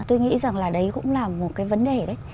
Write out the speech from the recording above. tôi nghĩ rằng là đấy cũng là một cái vấn đề đấy